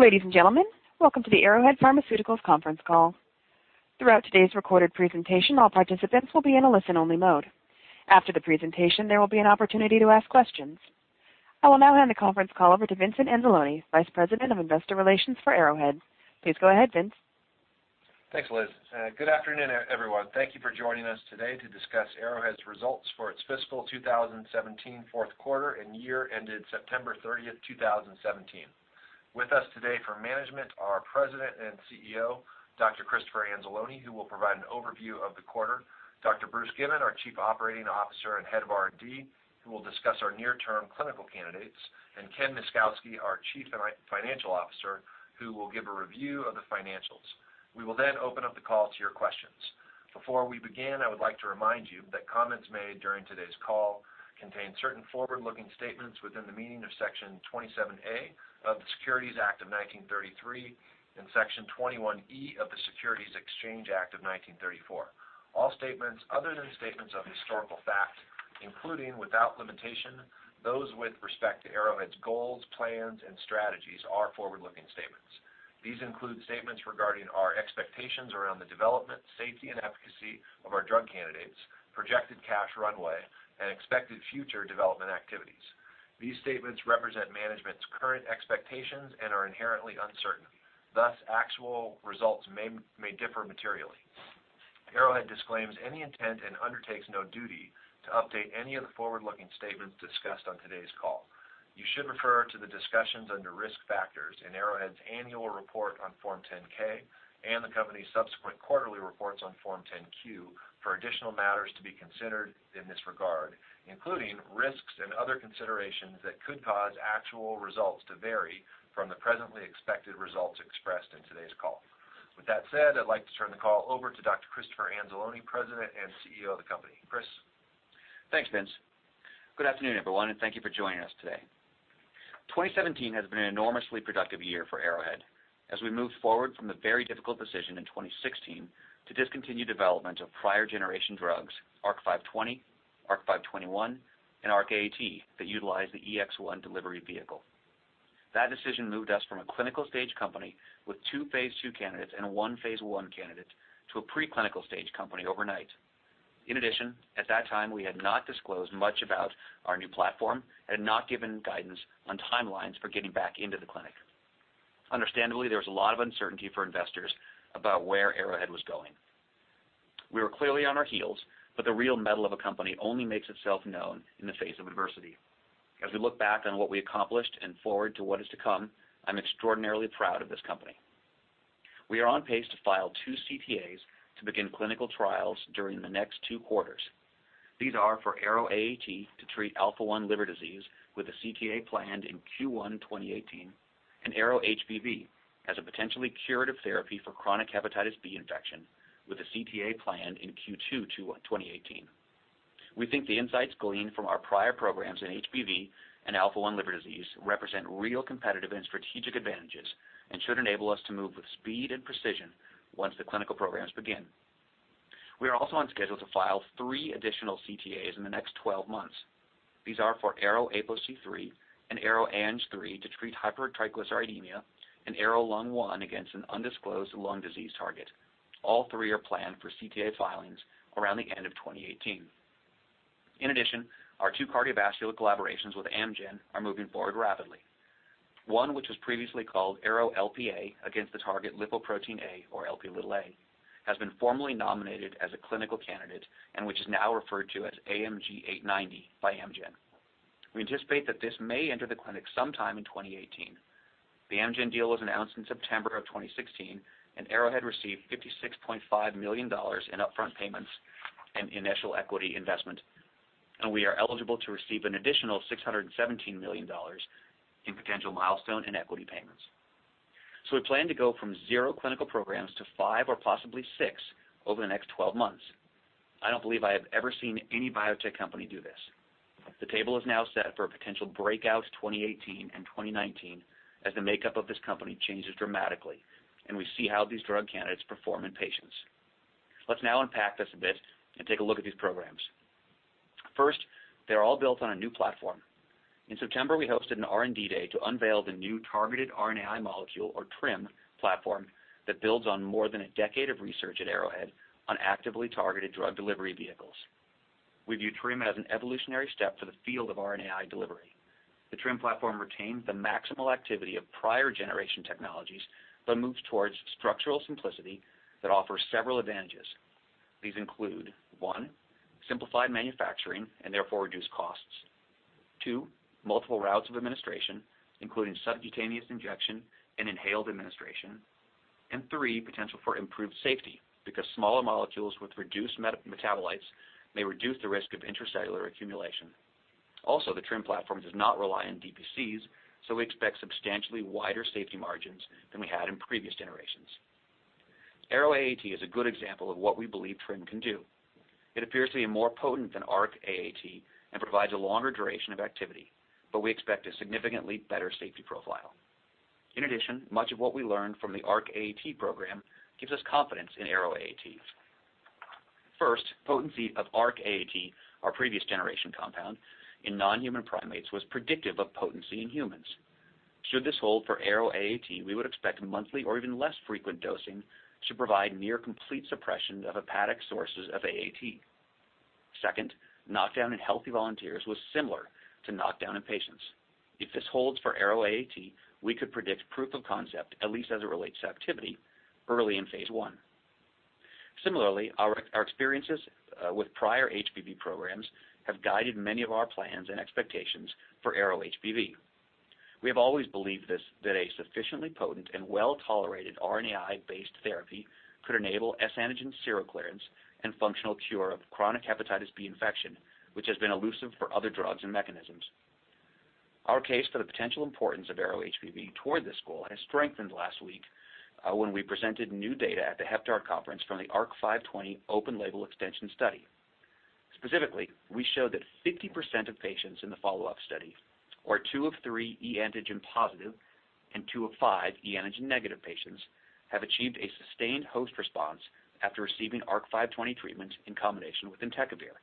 Ladies and gentlemen, welcome to the Arrowhead Pharmaceuticals conference call. Throughout today's recorded presentation, all participants will be in a listen-only mode. After the presentation, there will be an opportunity to ask questions. I will now hand the conference call over to Vincent Anzalone, Vice President of Investor Relations for Arrowhead. Please go ahead, Vince. Thanks, Liz. Good afternoon, everyone. Thank you for joining us today to discuss Arrowhead's results for its fiscal 2017 fourth quarter and year ended September 30th, 2017. With us today for management are President and CEO, Dr. Christopher Anzalone, who will provide an overview of the quarter, Dr. Bruce Given, our Chief Operating Officer and Head of R&D, who will discuss our near-term clinical candidates, and Ken Myszkowski, our Chief Financial Officer, who will give a review of the financials. We will then open up the call to your questions. Before we begin, I would like to remind you that comments made during today's call contain certain forward-looking statements within the meaning of Section 27A of the Securities Act of 1933 and Section 21E of the Securities Exchange Act of 1934. All statements other than statements of historical fact, including, without limitation, those with respect to Arrowhead's goals, plans, and strategies, are forward-looking statements. These include statements regarding our expectations around the development, safety, and efficacy of our drug candidates, projected cash runway, and expected future development activities. These statements represent management's current expectations and are inherently uncertain. Thus, actual results may differ materially. Arrowhead disclaims any intent and undertakes no duty to update any of the forward-looking statements discussed on today's call. You should refer to the discussions under Risk Factors in Arrowhead's annual report on Form 10-K and the company's subsequent quarterly reports on Form 10-Q for additional matters to be considered in this regard, including risks and other considerations that could cause actual results to vary from the presently expected results expressed in today's call. With that said, I'd like to turn the call over to Dr. Christopher Anzalone, President and CEO of the company. Chris? Thanks, Vince. Good afternoon, everyone, and thank you for joining us today. 2017 has been an enormously productive year for Arrowhead, as we moved forward from the very difficult decision in 2016 to discontinue development of prior generation drugs, ARC-520, ARC-521, and ARC-AAT, that utilize the EX1 delivery vehicle. That decision moved us from a clinical stage company with 2 phase II candidates and 1 phase I candidate to a pre-clinical stage company overnight. In addition, at that time, we had not disclosed much about our new platform and had not given guidance on timelines for getting back into the clinic. Understandably, there was a lot of uncertainty for investors about where Arrowhead was going. We were clearly on our heels, the real mettle of a company only makes itself known in the face of adversity. As we look back on what we accomplished and forward to what is to come, I'm extraordinarily proud of this company. We are on pace to file 2 CTAs to begin clinical trials during the next 2 quarters. These are for ARO-AAT to treat Alpha-1 liver disease, with a CTA planned in Q1 2018, and ARO-HBV as a potentially curative therapy for chronic hepatitis B infection, with a CTA planned in Q2 2018. We think the insights gleaned from our prior programs in HBV and Alpha-1 liver disease represent real competitive and strategic advantages and should enable us to move with speed and precision once the clinical programs begin. We are also on schedule to file 3 additional CTAs in the next 12 months. These are for ARO-APOC3 and ARO-ANG3 to treat hypertriglyceridemia and ARO-Lung1 against an undisclosed lung disease target. All 3 are planned for CTA filings around the end of 2018. In addition, our 2 cardiovascular collaborations with Amgen are moving forward rapidly. One, which was previously called ARO-LPA against the target lipoprotein A or Lp(a), has been formally nominated as a clinical candidate and which is now referred to as AMG 890 by Amgen. We anticipate that this may enter the clinic sometime in 2018. The Amgen deal was announced in September of 2016, Arrowhead received $56.5 million in upfront payments and initial equity investment, and we are eligible to receive an additional $617 million in potential milestone and equity payments. We plan to go from 0 clinical programs to 5 or possibly 6 over the next 12 months. I don't believe I have ever seen any biotech company do this. The table is now set for a potential breakout 2018 and 2019 as the makeup of this company changes dramatically, we see how these drug candidates perform in patients. Let's now unpack this a bit and take a look at these programs. First, they're all built on a new platform. In September, we hosted an R&D day to unveil the new Targeted RNAi Molecule, or TRiM, platform that builds on more than a decade of research at Arrowhead on actively targeted drug delivery vehicles. We view TRiM as an evolutionary step for the field of RNAi delivery. The TRiM platform retains the maximal activity of prior generation technologies, moves towards structural simplicity that offers several advantages. These include, 1, simplified manufacturing and therefore reduced costs. 2, multiple routes of administration, including subcutaneous injection and inhaled administration. 3, potential for improved safety because smaller molecules with reduced metabolites may reduce the risk of intracellular accumulation. The TRiM platform does not rely on DPCs, so we expect substantially wider safety margins than we had in previous generations. ARO-AAT is a good example of what we believe TRiM can do. It appears to be more potent than ARC-AAT and provides a longer duration of activity, but we expect a significantly better safety profile. Much of what we learned from the ARC-AAT program gives us confidence in ARO-AAT. First, potency of ARC-AAT, our previous generation compound in non-human primates, was predictive of potency in humans. Should this hold for ARO-AAT, we would expect monthly or even less frequent dosing to provide near complete suppression of hepatic sources of AAT. Second, knockdown in healthy volunteers was similar to knockdown in patients. If this holds for ARO-AAT, we could predict proof of concept, at least as it relates to activity early in phase I. Our experiences with prior HBV programs have guided many of our plans and expectations for ARO-HBV. We have always believed this, that a sufficiently potent and well-tolerated RNAi-based therapy could enable S antigen seroclearance and functional cure of chronic hepatitis B infection, which has been elusive for other drugs and mechanisms. Our case for the potential importance of ARO-HBV toward this goal has strengthened last week when we presented new data at the HEP DART Conference from the ARC-520 open label extension study. We show that 50% of patients in the follow-up study, or 2 of 3 e antigen positive and 2 of 5 e antigen negative patients, have achieved a sustained host response after receiving ARC-520 treatments in combination with entecavir,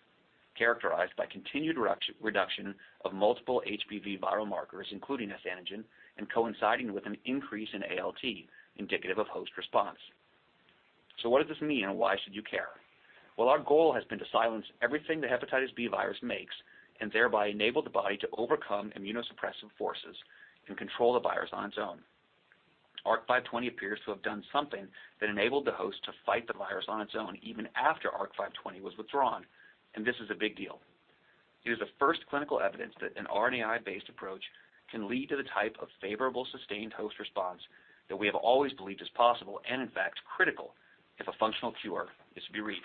characterized by continued reduction of multiple HBV viral markers, including S antigen, and coinciding with an increase in ALT indicative of host response. What does this mean, and why should you care? Our goal has been to silence everything the hepatitis B virus makes, and thereby enable the body to overcome immunosuppressive forces and control the virus on its own. ARC-520 appears to have done something that enabled the host to fight the virus on its own, even after ARC-520 was withdrawn, and this is a big deal. It is the first clinical evidence that an RNAi-based approach can lead to the type of favorable, sustained host response that we have always believed is possible, and in fact, critical if a functional cure is to be reached.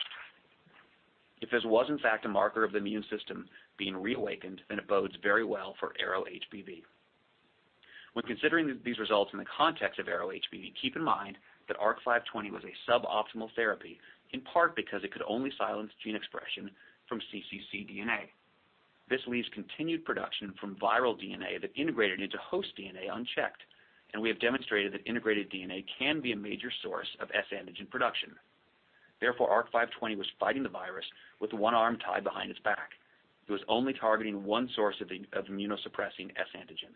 If this was in fact a marker of the immune system being reawakened, it bodes very well for ARO-HBV. When considering these results in the context of ARO-HBV, keep in mind that ARC-520 was a suboptimal therapy, in part because it could only silence gene expression from cccDNA. This leaves continued production from viral DNA that integrated into host DNA unchecked, and we have demonstrated that integrated DNA can be a major source of S antigen production. ARC-520 was fighting the virus with one arm tied behind its back. It was only targeting one source of immunosuppressing S antigen.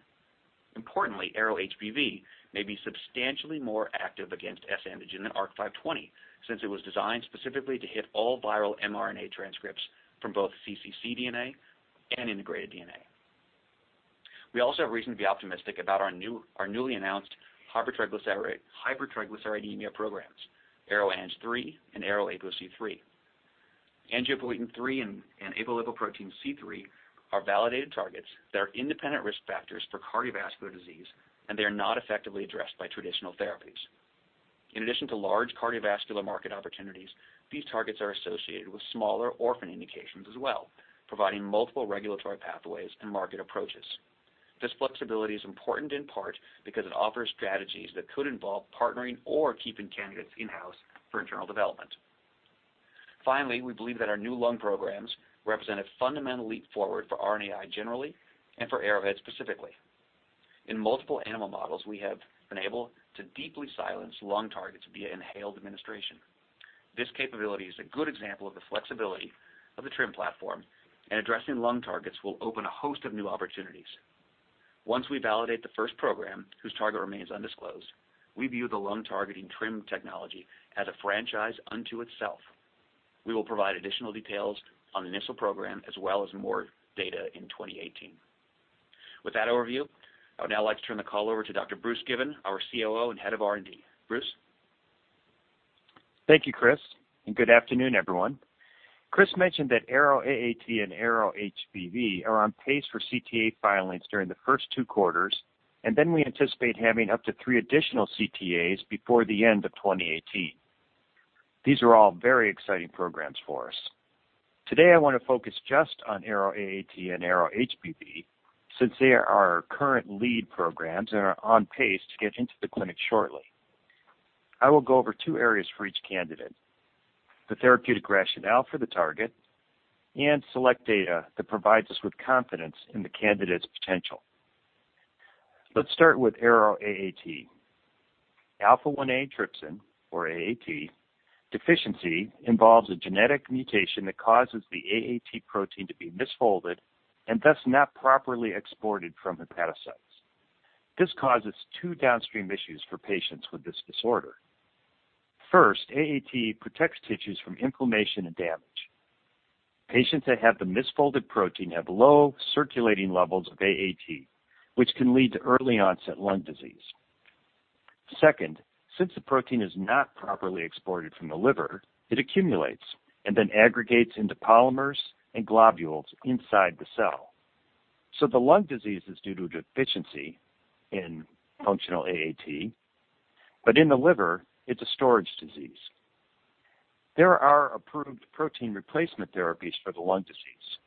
Importantly, ARO-HBV may be substantially more active against S antigen than ARC-520, since it was designed specifically to hit all viral mRNA transcripts from both cccDNA and integrated DNA. We also have reason to be optimistic about our newly announced hypertriglyceridemia programs, ARO-ANG3 and ARO-APOC3. Angiopoietin 3 and apolipoprotein C-III are validated targets that are independent risk factors for cardiovascular disease, and they are not effectively addressed by traditional therapies. In addition to large cardiovascular market opportunities, these targets are associated with smaller orphan indications as well, providing multiple regulatory pathways and market approaches. Once we validate the first program, whose target remains undisclosed, we view the lung targeting TRiM technology as a franchise unto itself. We will provide additional details on the initial program as well as more data in 2018. With that overview, I would now like to turn the call over to Dr. Bruce Given, our COO and Head of R&D. Bruce? Patients that have the misfolded protein have low circulating levels of AAT, which can lead to early onset lung disease. Second, since the protein is not properly exported from the liver, it accumulates and then aggregates into polymers and globules inside the cell. The lung disease is due to a deficiency in functional AAT. In the liver, it's a storage disease. There are approved protein replacement therapies for the lung disease,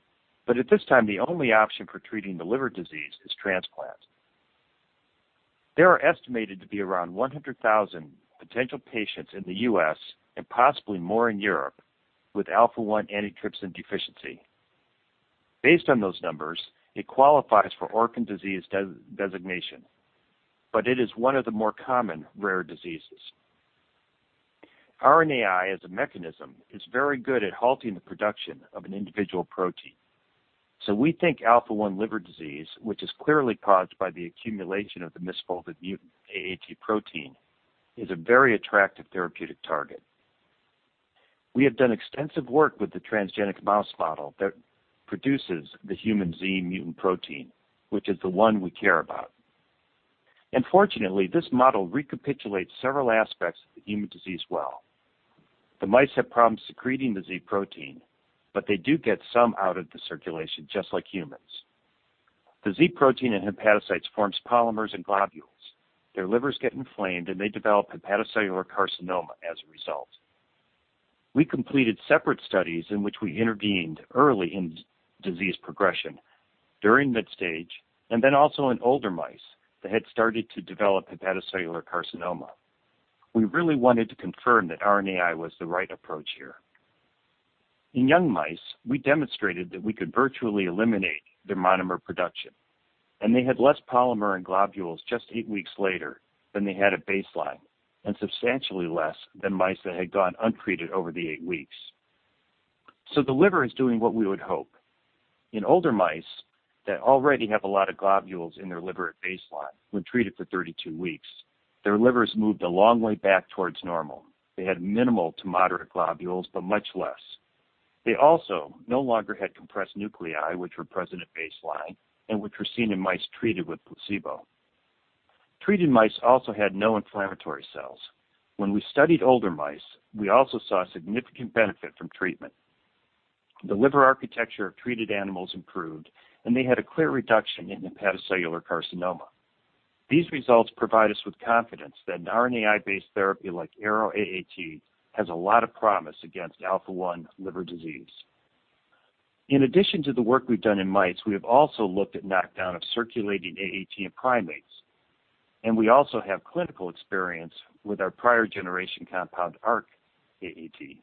but at this time, the only option for treating the liver disease is transplant. There are estimated to be around 100,000 potential patients in the U.S. and possibly more in Europe with Alpha-1-antitrypsin deficiency. Based on those numbers, it qualifies for orphan disease designation, but it is one of the more common rare diseases. RNAi as a mechanism is very good at halting the production of an individual protein. We think Alpha-1 liver disease, which is clearly caused by the accumulation of the misfolded mutant AAT protein, is a very attractive therapeutic target. We have done extensive work with the transgenic mouse model that produces the human Z mutant protein, which is the one we care about. Fortunately, this model recapitulates several aspects of the human disease well. The mice have problems secreting the Z protein, but they do get some out into circulation, just like humans. The Z protein in hepatocytes forms polymers and globules. Their livers get inflamed, and they develop hepatocellular carcinoma as a result. We completed separate studies in which we intervened early in disease progression, during mid-stage, and then also in older mice that had started to develop hepatocellular carcinoma. We really wanted to confirm that RNAi was the right approach here. In young mice, we demonstrated that we could virtually eliminate their monomer production, and they had less polymer and globules just eight weeks later than they had at baseline, and substantially less than mice that had gone untreated over the eight weeks. The liver is doing what we would hope. In older mice that already have a lot of globules in their liver at baseline when treated for 32 weeks, their livers moved a long way back towards normal. They had minimal to moderate globules, but much less. They also no longer had compressed nuclei, which were present at baseline and which were seen in mice treated with placebo. Treated mice also had no inflammatory cells. When we studied older mice, we also saw significant benefit from treatment. The liver architecture of treated animals improved, and they had a clear reduction in hepatocellular carcinoma. These results provide us with confidence that an RNAi-based therapy like ARO-AAT has a lot of promise against Alpha-1 liver disease. In addition to the work we've done in mice, we have also looked at knockdown of circulating AAT in primates, and we also have clinical experience with our prior generation compound, ARC-AAT.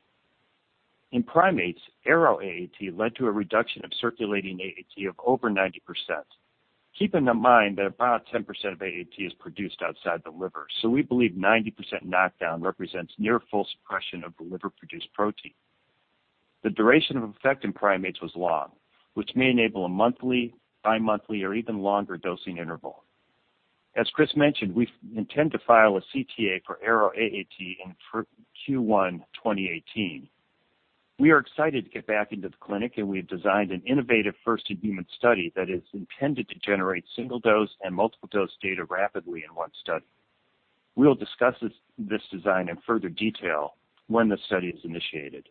In primates, ARO-AAT led to a reduction of circulating AAT of over 90%. Keep in mind that about 10% of AAT is produced outside the liver. We believe 90% knockdown represents near full suppression of the liver-produced protein. The duration of effect in primates was long, which may enable a monthly, bimonthly, or even longer dosing interval. As Chris mentioned, we intend to file a CTA for ARO-AAT in Q1 2018. We are excited to get back into the clinic, we have designed an innovative first-in-human study that is intended to generate single-dose and multiple-dose data rapidly in one study. We'll discuss this design in further detail when the study is initiated.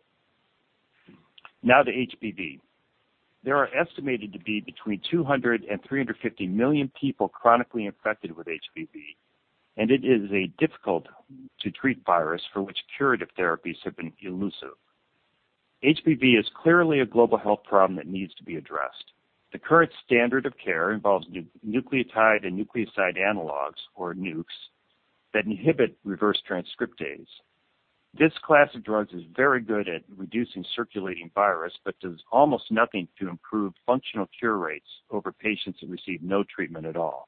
Now to HBV. There are estimated to be between 200 and 350 million people chronically infected with HBV, it is a difficult-to-treat virus for which curative therapies have been elusive. HBV is clearly a global health problem that needs to be addressed. The current standard of care involves nucleotide and nucleoside analogues, or NUCs, that inhibit reverse transcriptase. This class of drugs is very good at reducing circulating virus but does almost nothing to improve functional cure rates over patients who receive no treatment at all.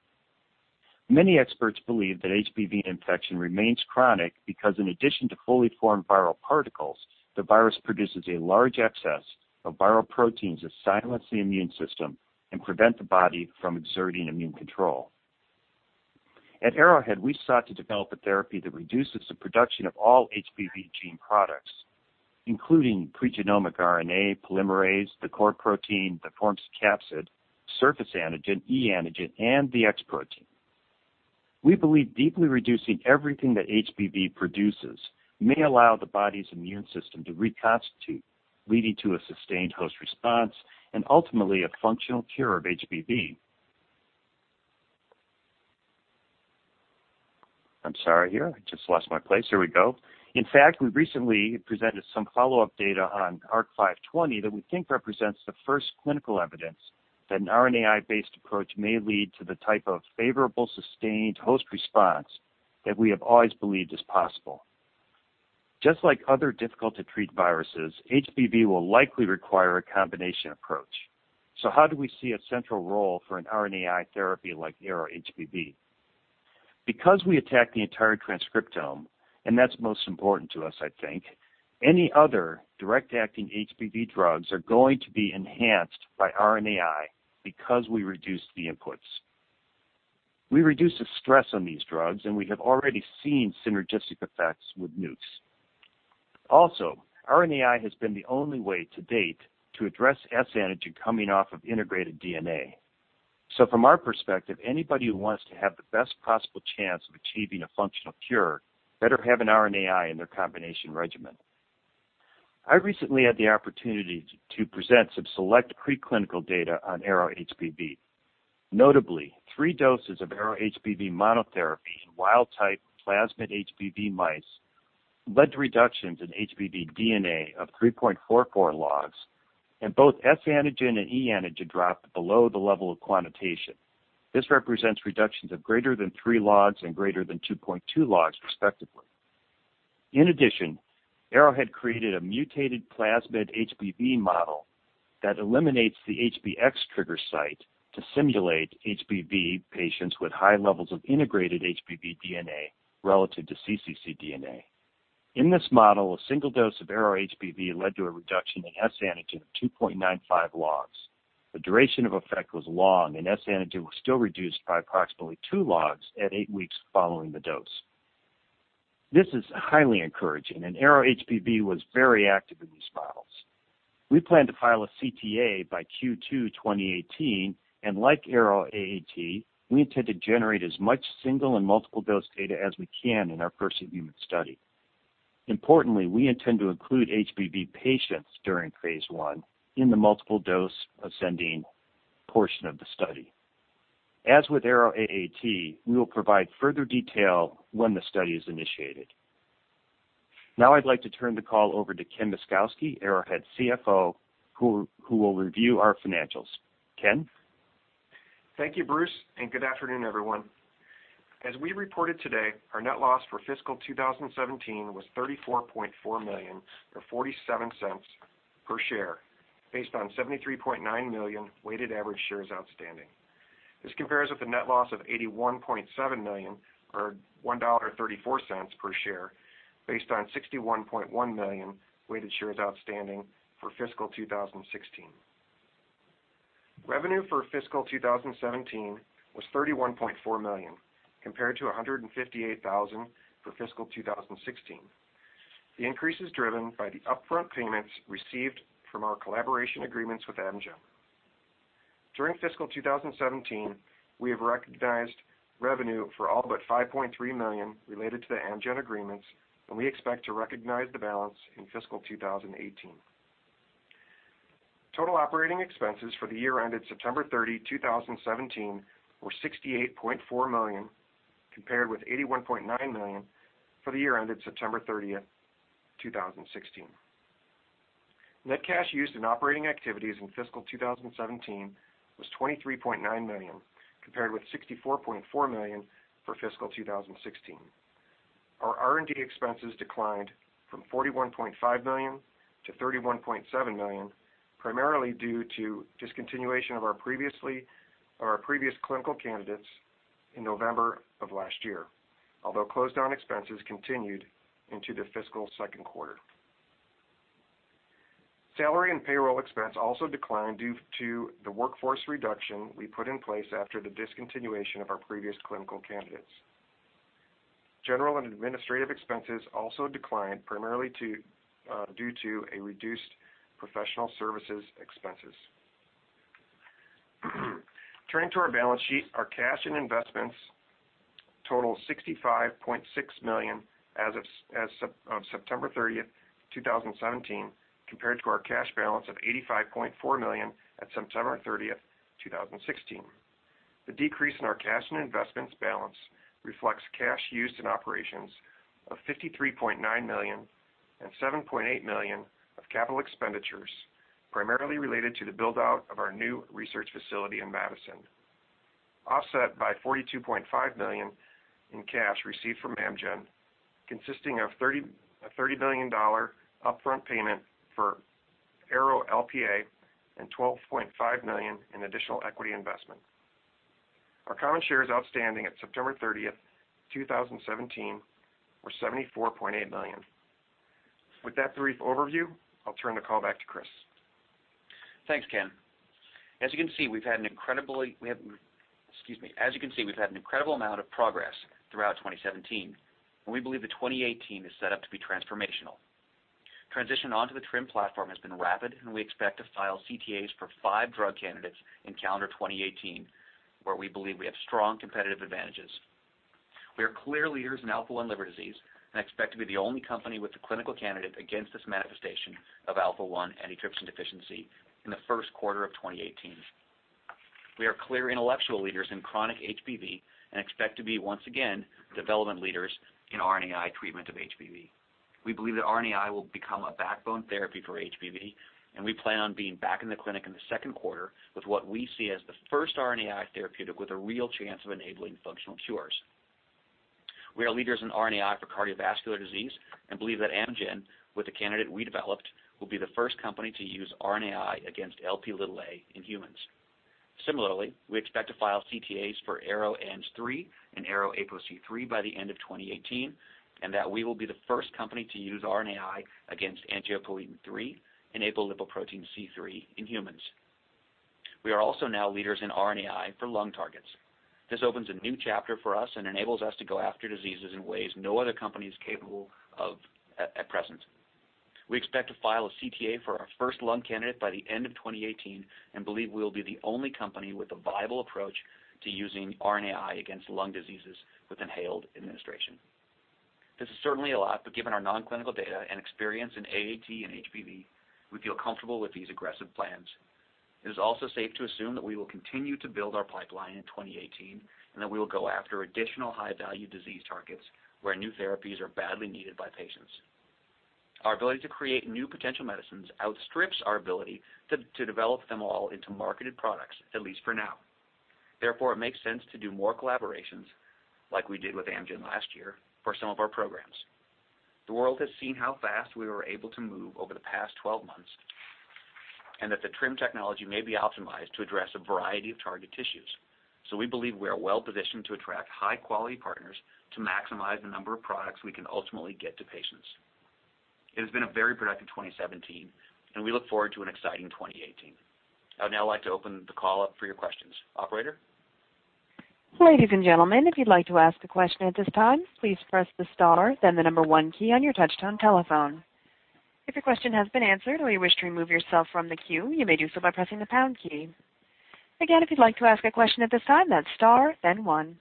Many experts believe that HBV infection remains chronic because in addition to fully formed viral particles, the virus produces a large excess of viral proteins that silence the immune system and prevent the body from exerting immune control. At Arrowhead, we sought to develop a therapy that reduces the production of all HBV gene products, including pre-genomic RNA, polymerase, the core protein that forms capsid, surface antigen, e-antigen, and the X protein. We believe deeply reducing everything that HBV produces may allow the body's immune system to reconstitute, leading to a sustained host response and ultimately a functional cure of HBV. I'm sorry here. I just lost my place. Here we go. In fact, we recently presented some follow-up data on ARC-520 that we think represents the first clinical evidence that an RNAi-based approach may lead to the type of favorable, sustained host response that we have always believed is possible. Just like other difficult-to-treat viruses, HBV will likely require a combination approach. How do we see a central role for an RNAi therapy like ARO-HBV? We attack the entire transcriptome, and that's most important to us, I think, any other direct-acting HBV drugs are going to be enhanced by RNAi because we reduce the inputs. We reduce the stress on these drugs, and we have already seen synergistic effects with NUCs. Also, RNAi has been the only way to date to address S antigen coming off of integrated DNA. From our perspective, anybody who wants to have the best possible chance of achieving a functional cure better have an RNAi in their combination regimen. I recently had the opportunity to present some select preclinical data on ARO-HBV. Notably, three doses of ARO-HBV monotherapy in wild-type plasmid HBV mice led to reductions in HBV DNA of 3.44 logs, and both S antigen and e-antigen dropped below the level of quantitation. This represents reductions of greater than three logs and greater than 2.2 logs respectively. In addition, Arrowhead created a mutated plasmid HBV model that eliminates the HBx trigger site to simulate HBV patients with high levels of integrated HBV DNA relative to cccDNA. In this model, a single dose of ARO-HBV led to a reduction in S antigen of 2.95 logs. The duration of effect was long, and S antigen was still reduced by approximately two logs at eight weeks following the dose. This is highly encouraging, and ARO-HBV was very active in these models. We plan to file a CTA by Q2 2018, and like ARO-AAT, we intend to generate as much single and multiple dose data as we can in our first-in-human study. Importantly, we intend to include HBV patients during phase I in the multiple dose ascending portion of the study. As with ARO-AAT, we will provide further detail when the study is initiated. I'd like to turn the call over to Ken Myskowski, Arrowhead's CFO, who will review our financials. Ken? Thank you, Bruce, and good afternoon, everyone. As we reported today, our net loss for fiscal 2017 was $34.4 million, or $0.47 per share, based on 73.9 million weighted average shares outstanding. This compares with the net loss of $81.7 million or $1.34 per share, based on 61.1 million weighted shares outstanding for fiscal 2016. Revenue for fiscal 2017 was $31.4 million, compared to $158,000 for fiscal 2016. The increase is driven by the upfront payments received from our collaboration agreements with Amgen. During fiscal 2017, we have recognized revenue for all but $5.3 million related to the Amgen agreements, and we expect to recognize the balance in fiscal 2018. Total operating expenses for the year ended September 30, 2017, were $68.4 million, compared with $81.9 million for the year ended September 30, 2016. Net cash used in operating activities in fiscal 2017 was [$23.9 million, compared with $64.4 million for fiscal 2016. Our R&D expenses declined from $41.5 million to $31.7 million, primarily due to discontinuation of our previous clinical candidates in November of last year. Closed down expenses continued into the fiscal second quarter. Salary and payroll expense also declined due to the workforce reduction we put in place after the discontinuation of our previous clinical candidates. General and administrative expenses also declined primarily due to a reduced professional services expenses. Turning to our balance sheet, our cash and investments total $65.6 million as of September 30, 2017, compared to our cash balance of $85.4 million at September 30, 2016. The decrease in our cash and investments balance reflects cash used in operations of $53.9 million and $7.8 million of capital expenditures, primarily related to the build-out of our new research facility in Madison. Offset by $42.5 million in cash received from Amgen, consisting of a $30 million upfront payment for ARO-LPA and $12.5 million in additional equity investment. Our common shares outstanding at September 30, 2017, were $74.8 million. With that brief overview, I'll turn the call back to Chris. Thanks, Ken. As you can see, we've had an incredible amount of progress throughout 2017. We believe that 2018 is set up to be transformational. Transition onto the TRiM platform has been rapid. We expect to file CTAs for five drug candidates in calendar 2018, where we believe we have strong competitive advantages. We are clear leaders in Alpha-1 liver disease and expect to be the only company with a clinical candidate against this manifestation of Alpha-1 antitrypsin deficiency in the first quarter of 2018. We are clear intellectual leaders in chronic HBV. We expect to be, once again, development leaders in RNAi treatment of HBV. We believe that RNAi will become a backbone therapy for HBV. We plan on being back in the clinic in the second quarter with what we see as the first RNAi therapeutic with a real chance of enabling functional cures. We are leaders in RNAi for cardiovascular disease and believe that Amgen, with the candidate we developed, will be the first company to use RNAi against Lp(a) in humans. Similarly, we expect to file CTAs for ARO-ANG3 and ARO-APOC3 by the end of 2018, and that we will be the first company to use RNAi against angiopoietin-like 3 and apolipoprotein C-III in humans. We are also now leaders in RNAi for lung targets. This opens a new chapter for us and enables us to go after diseases in ways no other company is capable of at present. We expect to file a CTA for our first lung candidate by the end of 2018 and believe we will be the only company with a viable approach to using RNAi against lung diseases with inhaled administration. This is certainly a lot, but given our non-clinical data and experience in AAT and HBV, we feel comfortable with these aggressive plans. It is also safe to assume that we will continue to build our pipeline in 2018 and that we will go after additional high-value disease targets where new therapies are badly needed by patients. Our ability to create new potential medicines outstrips our ability to develop them all into marketed products, at least for now. Therefore, it makes sense to do more collaborations, like we did with Amgen last year, for some of our programs. The world has seen how fast we were able to move over the past 12 months, and that the TRiM technology may be optimized to address a variety of target tissues. We believe we are well-positioned to attract high-quality partners to maximize the number of products we can ultimately get to patients. It has been a very productive 2017, and we look forward to an exciting 2018. I would now like to open the call up for your questions. Operator? Ladies and gentlemen, if you'd like to ask a question at this time, please press the star then the number one key on your touchtone telephone. If your question has been answered or you wish to remove yourself from the queue, you may do so by pressing the pound key. Again, if you'd like to ask a question at this time, that's star then one.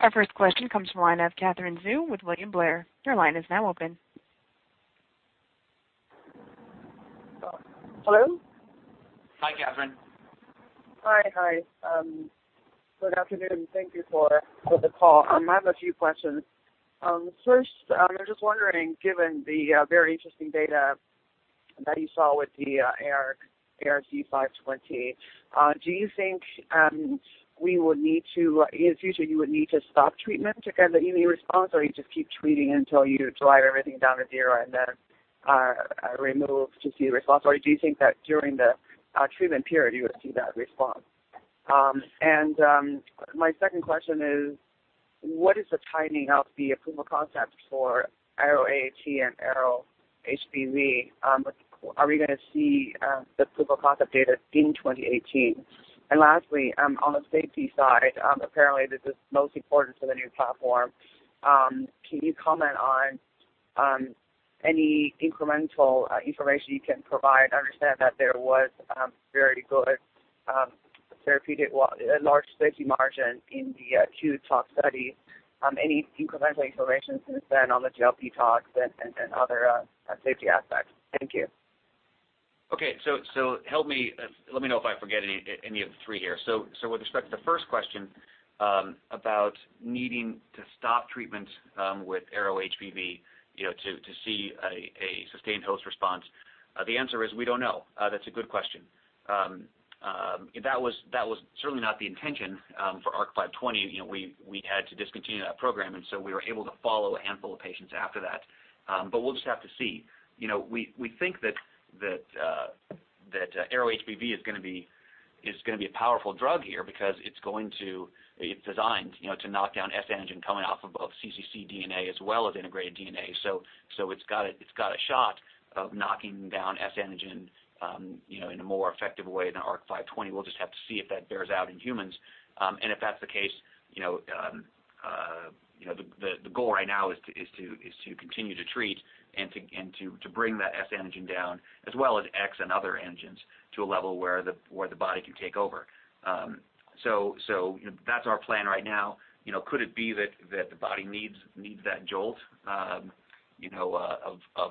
Our first question comes from the line of Katherine Xu with William Blair. Your line is now open. Hello? Hi, Katherine. Hi. Good afternoon. Thank you for the call. I have a few questions. First, I was just wondering, given the very interesting data that you saw with ARC-520, do you think in the future you would need to stop treatment to get any response, or you just keep treating until you drive everything down to zero and then remove to see the response? Or do you think that during the treatment period you would see that response? My second question is, what is the timing of the proof of concept for ARO-AAT and ARO-HBV? Are we going to see the proof of concept data in 2018? Lastly, on the safety side, apparently this is most important for the new platform, can you comment on any incremental information you can provide? I understand that there was very good large safety margin in the acute tox study. Any incremental information since then on the GLP tox and other safety aspects? Thank you. Okay. Let me know if I forget any of the three here. With respect to the first question about needing to stop treatment with ARO-HBV to see a sustained host response, the answer is we don't know. That's a good question. That was certainly not the intention for ARC-520. We had to discontinue that program, we were able to follow a handful of patients after that. We'll just have to see. We think that ARO-HBV is going to be a powerful drug here because it's designed to knock down S antigen coming off of cccDNA as well as integrated DNA. It's got a shot of knocking down S antigen in a more effective way than ARC-520. We'll just have to see if that bears out in humans. If that's the case, the goal right now is to continue to treat and to bring that S antigen down, as well as X and other antigens, to a level where the body can take over. That's our plan right now. Could it be that the body needs that jolt of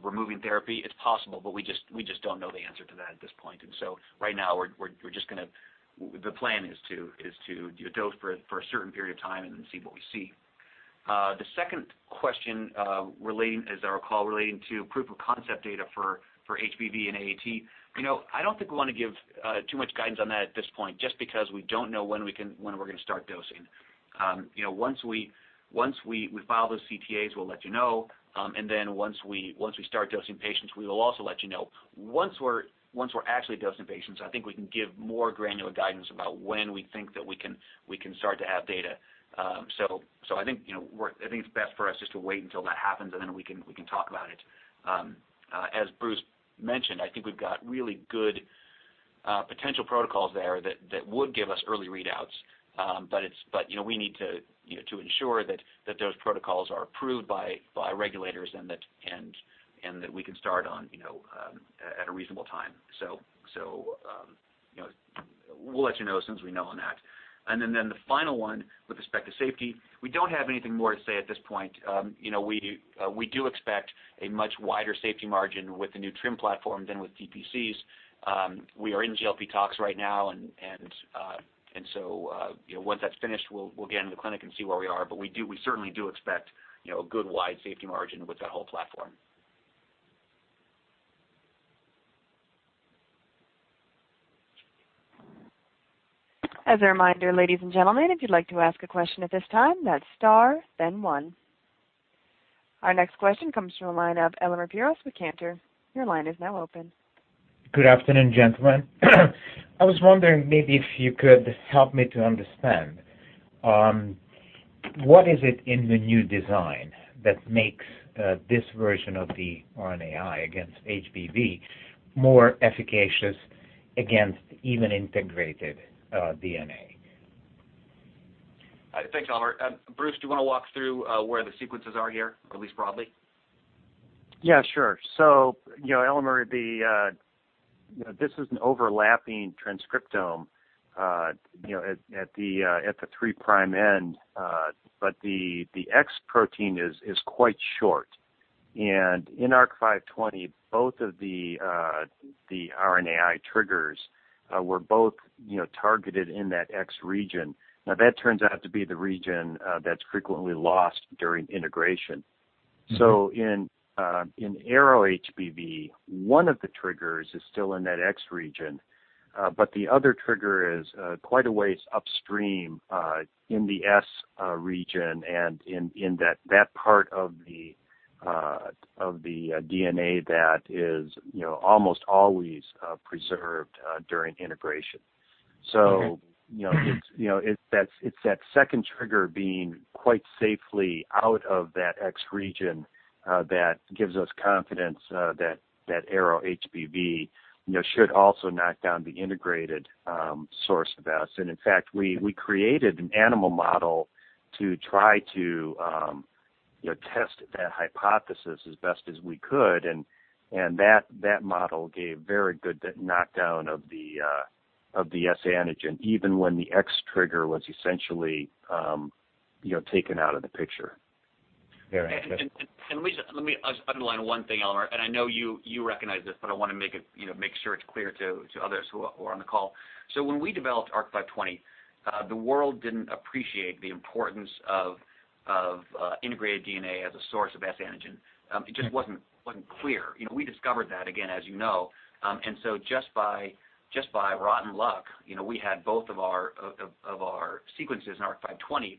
removing therapy? It's possible, but we just don't know the answer to that at this point. Right now, the plan is to dose for a certain period of time and then see what we see. The second question, as I recall, relating to proof of concept data for HBV and AAT. I don't think we want to give too much guidance on that at this point, just because we don't know when we're going to start dosing. Once we file those CTAs, we'll let you know, then once we start dosing patients, we will also let you know. Once we're actually dosing patients, I think we can give more granular guidance about when we think that we can start to have data. I think it's best for us just to wait until that happens, then we can talk about it. As Bruce mentioned, I think we've got really good potential protocols there that would give us early readouts. We need to ensure that those protocols are approved by regulators and that we can start at a reasonable time. We'll let you know as soon as we know on that. The final one with respect to safety, we don't have anything more to say at this point. We do expect a much wider safety margin with the new TRiM platform than with DPCs. We are in GLP tox right now, once that's finished, we'll get into the clinic and see where we are. We certainly do expect a good wide safety margin with that whole platform. As a reminder, ladies and gentlemen, if you'd like to ask a question at this time, that's star then one. Our next question comes from the line of Elemer Piros with Cantor. Your line is now open. Good afternoon, gentlemen. I was wondering maybe if you could help me to understand, what is it in the new design that makes this version of the RNAi against HBV more efficacious against even integrated DNA? Thanks, Elemer. Bruce, do you want to walk through where the sequences are here, at least broadly? Yeah, sure. Elemer, this is an overlapping transcriptome at the 3 prime end. The X protein is quite short. In ARC-520, both of the RNAi triggers were both targeted in that X region. Now that turns out to be the region that's frequently lost during integration. In ARO-HBV, one of the triggers is still in that X region, the other trigger is quite a ways upstream, in the S region and in that part of the DNA that is almost always preserved during integration. Okay. It's that second trigger being quite safely out of that X region, that gives us confidence that ARO-HBV should also knock down the integrated source of S. In fact, we created an animal model to try to test that hypothesis as best as we could. That model gave very good knockdown of the S antigen even when the X trigger was essentially taken out of the picture. Very interesting. Let me just underline one thing, Elemer, and I know you recognize this, but I want to make sure it's clear to others who are on the call. When we developed ARC-520, the world didn't appreciate the importance of integrated DNA as a source of S antigen. It just wasn't clear. We discovered that, again, as you know. Just by rotten luck, we had both of our sequences in ARC-520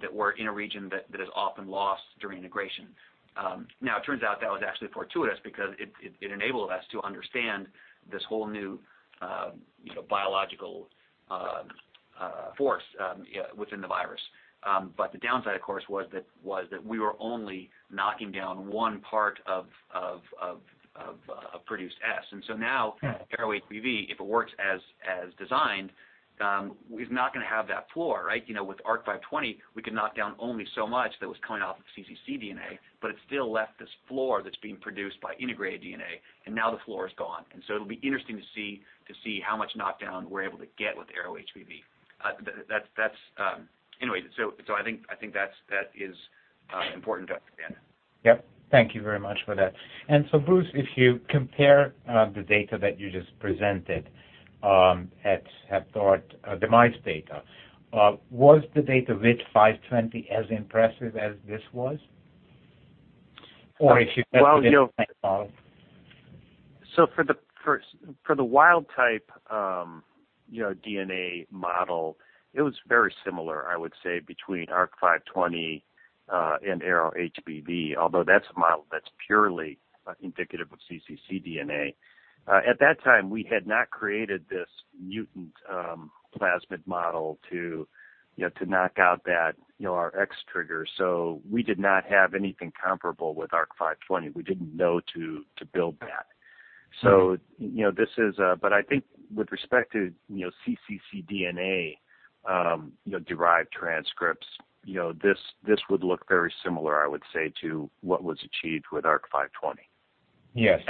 that were in a region that is often lost during integration. Now it turns out that was actually fortuitous because it enabled us to understand this whole new biological force within the virus. The downside, of course, was that we were only knocking down one part of produced S. Yeah ARO-HBV, if it works as designed, is not going to have that floor. With ARC-520, we could knock down only so much that was coming off of cccDNA, but it still left this floor that's being produced by integrated DNA, and now the floor is gone. It'll be interesting to see how much knockdown we're able to get with ARO-HBV. Anyway, I think that is important to understand. Yep. Thank you very much for that. Bruce, if you compare the data that you just presented at HEP DART mice data, was the data with 520 as impressive as this was? Or if you- For the wild-type DNA model, it was very similar, I would say between ARC-520 and ARO-HBV, although that's a model that's purely indicative of cccDNA. At that time, we had not created this mutant plasmid model to knock out our X trigger. We did not have anything comparable with ARC-520. We didn't know to build that. I think with respect to cccDNA-derived transcripts, this would look very similar, I would say, to what was achieved with ARC-520. Yes.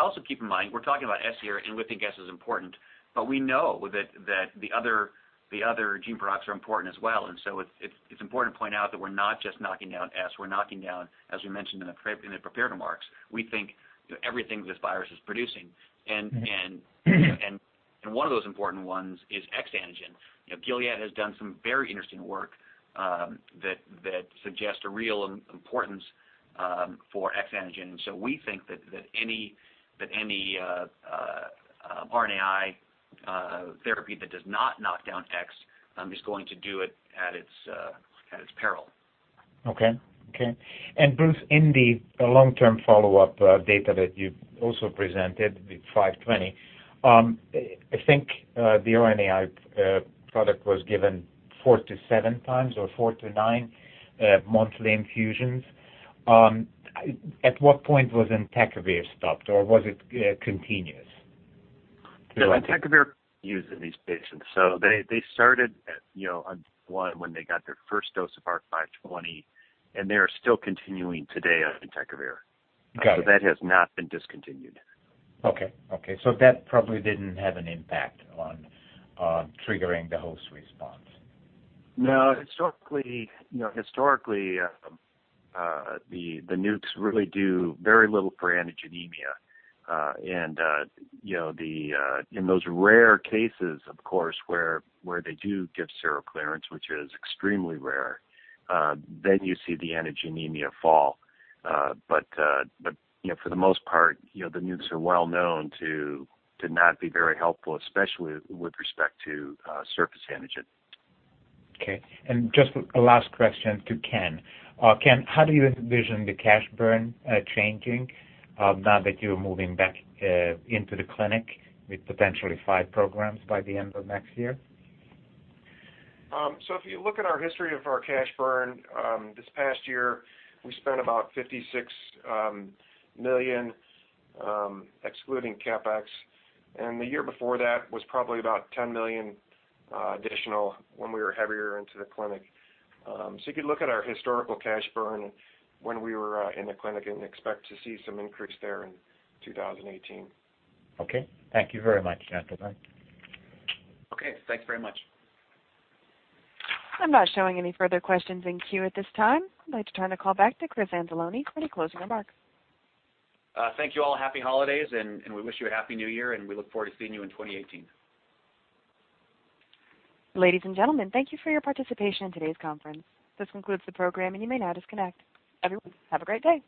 Also keep in mind, we're talking about S here, and we think S is important, but we know that the other gene products are important as well. It's important to point out that we're not just knocking down S, we're knocking down, as we mentioned in the prepared remarks, we think everything this virus is producing. One of those important ones is HBx. Gilead has done some very interesting work that suggests a real importance for HBx. We think that any RNAi therapy that does not knock down HBx is going to do it at its peril. Okay. Bruce, in the long-term follow-up data that you've also presented with 520, I think the RNAi product was given four to seven times or four to nine monthly infusions. At what point was entecavir stopped, or was it continuous? Entecavir used in these patients. They started at one when they got their first dose of ARC-520, and they are still continuing today on entecavir. Okay. That has not been discontinued. Okay. That probably didn't have an impact on triggering the host response. No, historically, the NUCs really do very little for antigenemia. In those rare cases, of course, where they do give seroclearance, which is extremely rare, you see the antigenemia fall. For the most part, the NUCs are well known to not be very helpful, especially with respect to surface antigen. Okay, just a last question to Ken. Ken, how do you envision the cash burn changing now that you're moving back into the clinic with potentially five programs by the end of next year? If you look at our history of our cash burn, this past year, we spent about $56 million, excluding CapEx, the year before that was probably about $10 million additional when we were heavier into the clinic. You could look at our historical cash burn when we were in the clinic and expect to see some increase there in 2018. Okay. Thank you very much, gentlemen. Okay, thanks very much. I'm not showing any further questions in queue at this time. I'd like to turn the call back to Chris Anzalone for any closing remarks. Thank you all, happy holidays, and we wish you a happy new year, and we look forward to seeing you in 2018. Ladies and gentlemen, thank you for your participation in today's conference. This concludes the program, and you may now disconnect. Everyone, have a great day.